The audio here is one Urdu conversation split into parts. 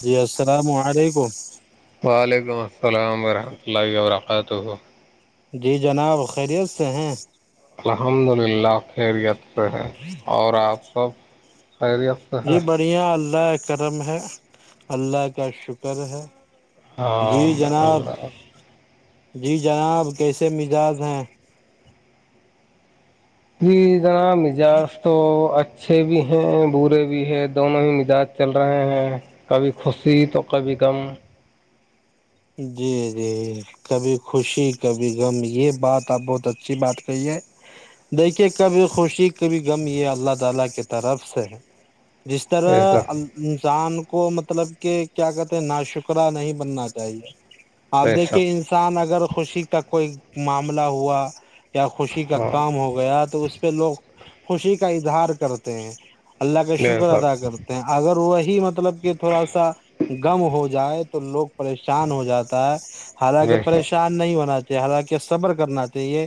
جی السلام علیکم وعلیکم السلام ورحمۃ اللہ وبرکاتہ جی جناب خیریت سے ہیں الحمد للہ خیریت سے ہے اور آپ سب خیریت سے جی ہے بڑھیا اللہ کرم ہے اللہ کا شکر ہے ہاں جی جناب اللہ [inaudible] [inaudible] جی جناب کیسے مزاج ہیں ج [inaudible] ناا مزاج تو اچھے بھی ہیں برے بھی ہیں دونوں ہی مزاج چل رہے ہیں کبھی خوشی تو کبھی م جی جی کبھی خوشی کبھی غم یہ بات آپ بہت اچھی بات کہیے دیکھیے کبھی خوشی کبھ سے جس طرح بے شک انسان کو مطلب کہ کیا کہتے ہیں ناشکرہ نہیں بننا صحیح ہے آپ بے دیکھیے شک انسان اگر خوشی کا کوئی معاملہ ہوا کیا خوشی کا ہاں کام ہو گیا تو اس پہ لوگ خوشی کا اظہار کرتے ہیں اللہ کا بے شکر ادا شک کرتے ہیں اگر وہی ہی مطلب کہ تھوڑا سا گم ہو جائے تو تو لوگ پریشان ہو جاتا ہے حالانکہ بے شک پریشان نہیں ہونا حالانکہ صبر کرنا تھے یہ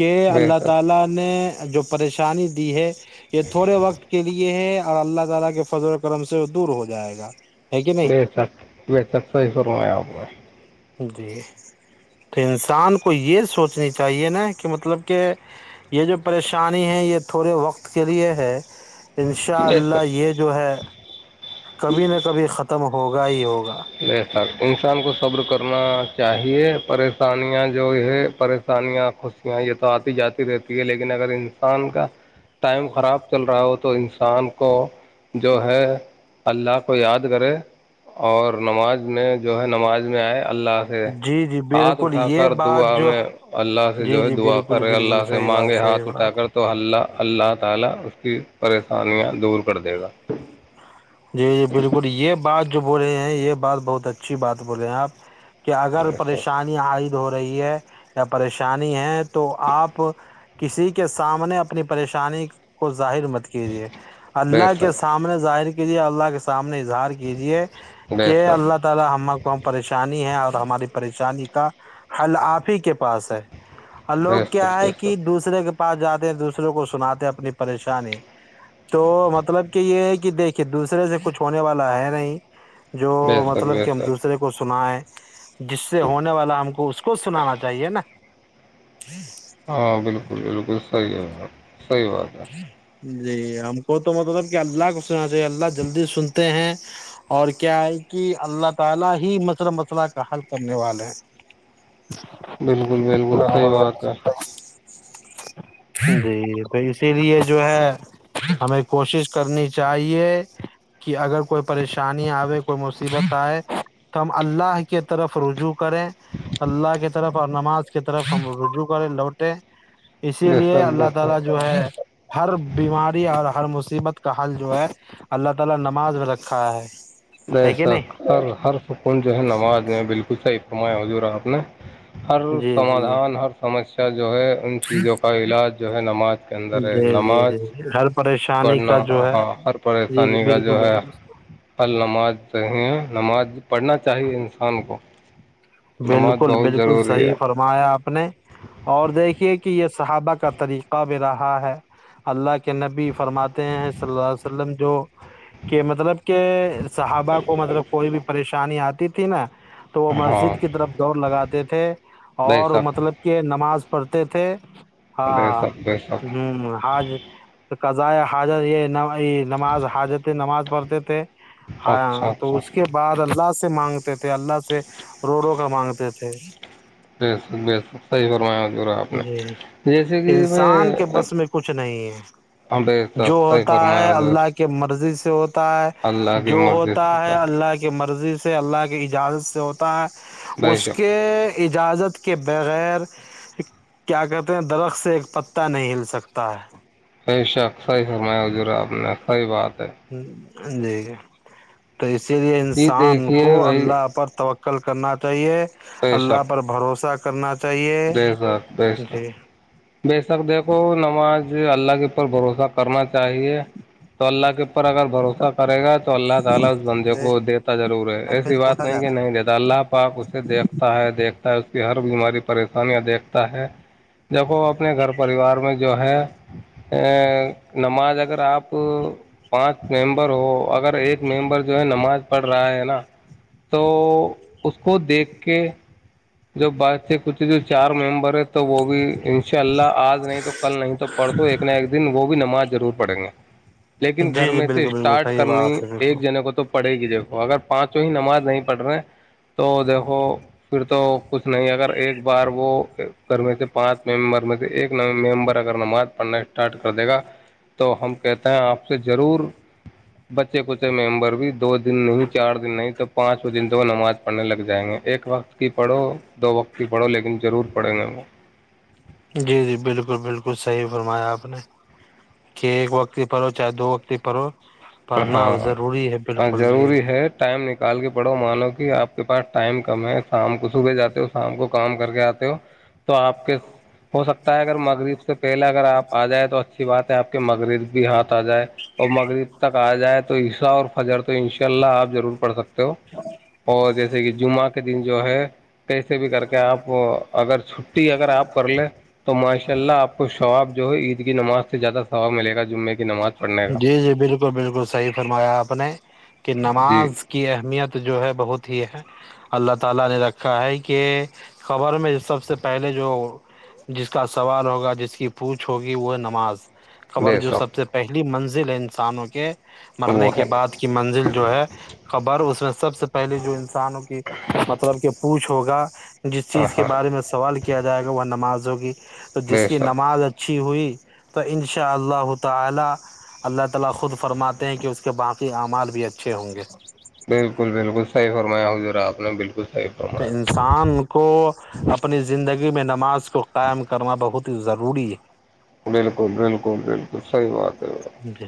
کے بے الله شک تھلا نے جو پریشانی دی ہے یہ تھوڑے وقت کے لیے ہے اور اللہ تعالی کے فضل و کرم سے دور ہو جائے گا ہے کہ نہیں بے سٹ بی سک صحی سرو میں آپ کو [inaudible] جی تو انسان کو یہ سوچنی چاہیے نا کہ مطلب کہ یہ جو پریشانی ہے یہ تھوڑے وقت کے لیے ہے انشاء بے شک اللہ یہ جو ہے کبھی نہ کبھی ختم ہوگا ہی ہوگا لے ساک انسان کو صبر کر کرنا چاہیے پریشانیاں جو ہے پریشانیاں خوشیاں یہ تو آتی جاتی رہتی ہے لیکن اگر انسان کا ٹائم خراب چل رہا ہو تو انسان کو جو ہے اللہ کو یاد کرے اور نماز میں جو ہے نماز میں آئے جی جی بالکل یہ بات جو جی جی بالکل بالکل صحیح بات صحیح بات دور کر دے گا جی جی بالکل یہ بات جو بولے ہیں یہ بات بہت اچھی بات بول رہے ہیں آپ کہ اگر بے شک پریشانی عائد ہو رہی ہے یا پریشانی ہے تو آپ کسی کے سامنے اپنی پریشانی کو ظاہر مت کیجیے بے اللہ کے شک سامنے ظاہر کی لیے اللہ کے سامنے انٹیجر کیجئے بے کی شک الله تھلا ہمکو پریشانی ہے ہماری پریشانی کا حل آف ہی کے پاس ہے اور بے لوگ کیا شک بے ہے کہ شک دوسرے کے پاس جاتے ہیں دوسروں کو سناتے ہیں اپنی پریشانی تو مطلب کہ یہ ہے کہ دیکھے کہ دوسرے سے کچھ ہونے والا ہے نہیں جو بے شک مطلب بے کہ ہم شک دوسرے کو سنیں جس سے ہونے والا ہم کو اس کو سنانا چاہیے نا ہاں بالکل بالکل صحیح ہے صحی باتہ جی ہمکو تو مطالب الله کو سنا نا چائے اور الله ہی مثلا کو حل کرنے والے ہے بالکل بالکل سحی بات ہے ج بائی پ لیے جو ہے ہمیں کوشش کرنی چاہیے کہ اگر کوئی پریشانی آے کوئی مصیبت آئے تو ہم اللہ کی طرف رجوع کریں اللہ کی طرف اور نماز اس کی طرف ہم ردرو والے لوٹے [inaudible] بے شک بے شک ہر بیماری اور ہر مصیبت کا حل جو ہے اللہ تعالی نماز میں رکھا ہے ہے کہ ویسا نہیں ہر ہر جو ہے نماز میں بالکل صح تو میں ہضورا آپ نے ہر جی جی سمادھان ہر سمسیا ا جو ہے [unintelligible] ان چیزوں کا علاج جو ہے نماز کے اندر ہے جی جی نماز جی جی ہر پریشانی کا پڑھنا جو ہے ہاں ہر جی جی پریشانی کا بالکل جو ہے بالکل نماز چ نماز پڑھنا چاہیے انسان کو نماز بالکل بہت بالکل ضروری صحی ہے فرمایا آپ اپنے اور دیکھیے کہ یہ [inaudible] کہ مطلب کہ صحابہ کو مطلب کوئی بھی پریشانی آتی تو تین [unintelligible] ہاں دڑ لگاتے تھے بے اور شک مطلب کہ نمبر ناز پڑھتے تھے بے ہاں شک بے شک ہ آج قضائ حاضر یہ ن نماز ہا جاتے نماز پڑھتے تھے ہ اچھا تو اچھا اس کے بعد اللہ سے مانگتے تھے اللہ سے کروڑوں کا مانگتے تھے بیس بیس سیح فرما جی انسان میں کے بس میں کچھ نہیں ہے بے جو شک صحیح ہوتا ہے فرمایا حضور اللہ کے مرضی سے تو اللہ ہے کی جو مرضی ہوتا سے ہے تھا اللہ کے مرضی سے سے اللہ کی اجازت سے ہوتا ہے بے اس شک کے اجازت کے بغیر کیا کہتے ہیں درخت سے ایک پتا نہیں ہل سکتا ہے ای ش اکس سرما ہوجورا آپ نے صحی بات ہے ہوں ج ج تو اسی لیے جی انسان کو دیکھیے بھائی اللہ پر توقع کل کرنا چاہیے بے اللہ شک پر بھروسہ کر کرنا چاہیے بے شک بے شک جی بے شک دیکھو نماز ج اللہ کے اپر بھروسہ کرنا چاہیے تو اللہ کے اگر بھروسہ کرے گا تو اللہ تعالی اس بندے کو دیتا ضرور ہے ایسی بات نہیں کہ نہیں دیتا اللہ پاک اسے دیکھتا ہے دیکھتا اس کی ہر بیماری پری انیہ دیکھتا ہے جب وہ اپنے گھر پریوار میں جو ہے نماز اگر آپ پانچ ممبر ہو اگر ایک ممبر جو ہے نماز پڑھ رہا ہے نا تو اس کو دیکھ کے جو بات سے جو چار ممبر ہے تو وہ بھی ان شاء اللہ آج نہیں تو کل نہیں تو پڑھ تو ایک نہ ایک دن وہ بھی نماز ضرور پڑیں گے لیکن گھر جی جی میں سے بالکل بالکل اسٹارٹ صحیح کرنی بات ہے بالکل ایک جنے کو تو پڑے گی دیکھو اگر پانچوں ہی نماز نہیں پڑھ رہے تو دیکھو پھر تو کچھ نہیں اگر ایک بار وہ گھر میں سے پانچ ممبر میں سے ایک ممبر اگر نماز پڑھنا اسٹارٹ کر دے گا تو ہم کہتے ہیں آپ سے ضرور بچے بچے ممبر بھی دو دن نہیں چار دن نہیں تو پانچ دن تو وہ نماز پڑھنے لگ جائیں گے ایک وقت کی پڑھو دو وقت ہی پڑھو لیکن ضرور پڑھیں گے وہ جی جی بالکل بالکل صحیح فرمایا آپ نے کہ ایک وقتتی پر ہو چاہے دو وقت پر ہو ہاں جی ضروری جی ہے ٹائم نک نکال کے پڑھو مانو کہ آپ کے پاس ٹائم کم ہے شام کو صبح جاتے ہو شام کو کام کر کے آتے ہو تو آپ کے ہو سکتا ہے اگر مغرب سے پہلے اگر آپ آ جائ تو اچ بات ہے آپ کے مغرب بھی ہاتھ آ جائے اور مغرب تک آ جائے تو حصہ اور حضر تو ان شاء اللہ آپ ضرور پڑک تو اور جیسے کہ جمعہ کے دن جو ہے کیسے بھی کر کے آپ اگر چھٹی اگر آپ کر لیں تو ماشاء اللہ آپ کو شواب جو ہے عید کی نماز سے زیادہ واب ملے گا جمعے کی نماز پڑھنے کا جی جی بالکل بالل بالکل صحیح فرمایا آپ نے کہ جی نماز کی اہمیت جو ہے بہت ہی ہے اللہ تعالی نے رکھا ہے کہ قبر میں جو سب سے پہلے جو جس کا سوال ہوگا جس کی پوچھ ہوگی وہ نماز خبر بے جو سب شک سے پہل منزل ہے انسانوں کے وہ مرنے کے ہے بعد کی منزل جو ہے خبر اس میں سب سے پہلے جو انسانوں کی مطلب کہ پوچھ ہوگا جس چیز کے ہاں بارے میں سوال کیا جائے گا وہ نماز جگی تو جس بے کی شک نماز اچھی ہوئی تو ان شاء اللہ تعالی اللہ تعالی خود فرماتے ہیں کہ اس کے باقی اعمال بھی اچھے ہوں گے بالکل بالکل صحیح فرمایا حضور آپ نے بالکل صحیح تو فرمایا انسان کو اپنی زندگی زگی میں نماز کو قائم کرنا بہت ہی ضروری ہے بالکل بالکل بال بالکل صحیح بات ہے جی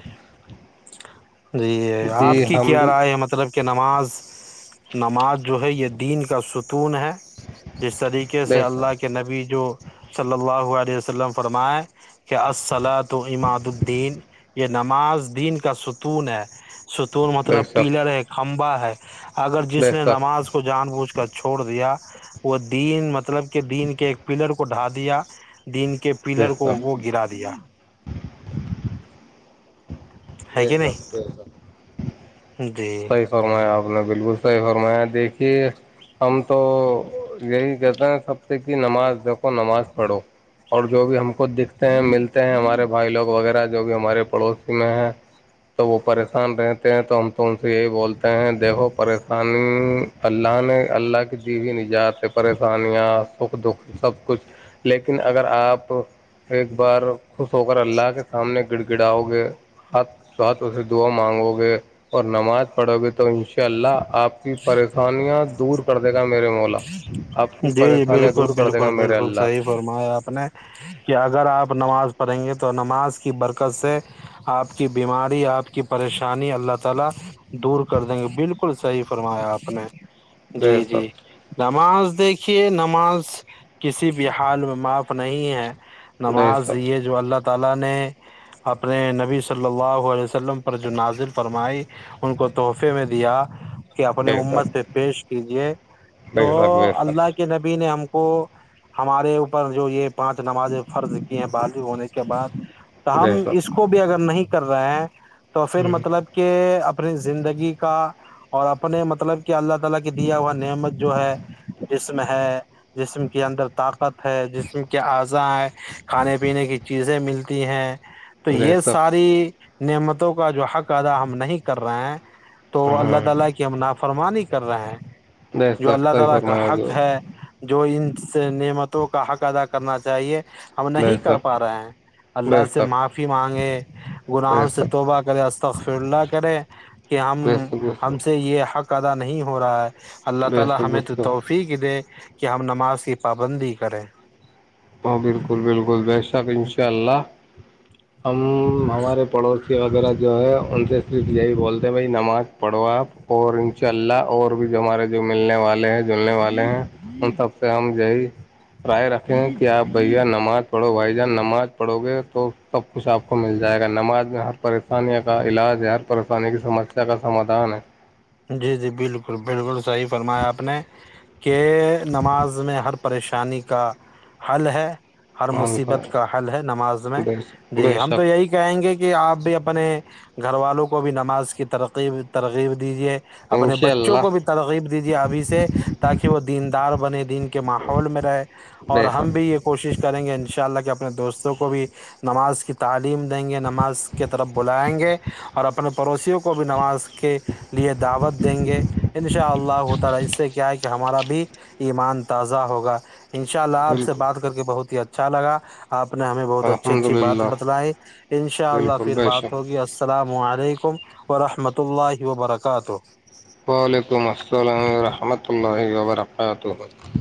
جی آپ جی کی ہم کیا بھی رائے ہے مطلب نماز نماز جو ہے یہ دین کا ست ون ہے جس طریقے سے بے اللہ کے شک نبی جو صلی اللہا وسلم فرمائے کہ السل تو اماد الدین یہ نماز دین کا ستون ہے ستور بے مطلب شک پیلر ہے کھمبا ہ [inaudible] اگر جس بے نے شک نماز کو جان بوجھ کر چھوڑ دیا وہ دین مطلب کہ دین کے ایک پلر کو ڈھا دیا دن کے بے پلر کو شک وہ گرا دیا ہے جی کہ سب نہیں جیسب جی صحیح فرمایا آپ نے بالکل صی فرما دیکھیے ہم تو یہی کہتے ہیں سب سے کہ نماز دیکھو نماز پڑھو اور جو بھی ہم کو دکھتے ہیں ملتے ہیں ہمارے بھائی لوگ وغیرہ جو بھی ہمارے پڑوسی میں ہیں تو وہ پریشان رہتے ہیں تو ہم تو ان سے یہی بولتے ہیں دیکھو پریشانی اللہ نے اللہ کی دییی ن جات ہے پریشانیاں سکھ دکھ سب کچھ لیکن اگر آپ ایک بار خوش ہو کر اللہ کے سامنے گڑ گراؤ گے ہاتھ ہاتھوں سے دواں مانگو گے اور نماز پڑھو گے تو ان شاء اللہ آپ کی پریشانیاں دور کر دے گا میرے مولا آپ جی کی جی پریشانیاں بالکل دور کر دے گا بالکل میرے بالکل اللہ صحیح فرمایا نہیں ہے تو نماز کی برکت سے اپ کی بیماری اپ کی پریشانی اللہ تعالی فرمایا اپ نے بے جی جی شک نماز دیکھیے نماز کسی بھی حال میں معاف نہیں ہے بے نماز شک دی جو اللہ اللہ نے اپنے نبی صلی اللہ علیہ وسلم پر جو نازل فرمائی ان کو تحفے میں دیا کہ اپنی بے امت شک سے پیش کیجیے تو بے شک بے شک اللہ کے نبی نے ہم کو کو ہمارے اوپر جو یہ پانچ نمازیں فرض کی ہیں بازو ہونے کے بعد تو بے ہم اس کو بھی اگر نہیں کر رہا ہے تو پھر شک مطلب کہ اپنی زندگی کا اور اپنے مطلب کہ اللہ تعالی کے دیا ہوا نعمت جو ہے اسم ہے جسم کے اندر ط پت ہے جسم کیا اضاں کھانے پینے کی چیزیں مل تی ہے تو بے یہ شک ساری نعمتوں کا جو حق ادا ہم نہیں کر رہے ہیں تو ہاں اللہ اللہ کہ ہم نا فرمانیے کر رہا ہے بیس جو سب اللہ صحیح تعالی کا فرمایا حق جو ہے جو ان سے نعمتوں کا حق ادا کرنا چاہیے ہم نہیں بیس کر سب پا رہے ہیں اللہ بیس سے سب معافی مانگے گناہوں بیس سب بیس سے سک توبہ کرے استخ اللہ کرے کہ ہم بیس سک ہم سے یہ ادا نہیں ہو رہا ہے اللہ بیس تعالی سک ہمیں بیس تو سک توفیق دے کہ ہم نماز کی پابندی کریں ہاں بالکل بالکل بے شک انشاء اللہ ہ ہمار پڑوس ے وغیرہ جو ہے ان سے صرف یہی بولتے ہیں بھائی نماز پڑھو آپ اور ان شاء اللہ اور بھی جو ہمارے جو ملنے والے ہیں جلنے والے ہیں ان سب سے ہم یہی رائے رکھیں کیا آپ بھیا نماز پڑھو بھائی جان نماز پڑھو گے تو سب کچھ آپ کو مل جائے گا نماز میں ہر پریشانی کا علاج ہے ہر پریشانی کی سمسیا کا سمادھان ہے جی جی بالکل بالکل صحیح فرمایا آپ نے کہ نماز میں ہر پریشانی کا حل ہے ہر مان مصیبت کا حل ہے نماز میں بے جی بے ہم تو شک یہی کہیں گے کہ آپ بھیب اپنے گھر والوں کو بھی نماز کی ترکیب ترغیب دیجے اپنے انشاء بچوں کو اللہ بھی ترغیب دیجیے ابھی سے تاکہ وہ دیندار بنے دین کے ماحول میں رہے اور بے ہم بھی شک یہ کوشش کریں گے ان شاء اللہ کہ اپنے دوستوں کو بھی نماز کی تعلیم دیں گے نماز کے طرف بلائیں گے اور اپنے پڑوسیوں کو بھی نماز کے لیے دعوت دیں گے ان شاء اللہ تعالی اس سے کیا ہے کہ ہمارا بھی ایمان تازہ ہوگا ان شاء اللہ آپ سے بالکل بات کر کے بہت ہی اچھا چال گ آپ نے ہمیں بہت اچھی الحمد اچھی بات للہ بتلائی ان شاء اللہ بالکل پھر بے شک بات ہوگی السلام علیکم و رحمۃ اللہ وبرکاتہ کہ تو وعلیکم السلام ورحمۃ اللہ وبرکاتہ ہاں تولہفظ